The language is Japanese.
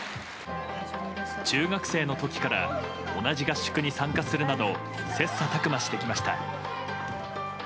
中学生の時から同じ合宿に参加するなど切磋琢磨してきました。